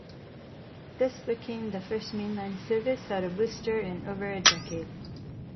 This became the first mainline service out of Worcester in over a decade.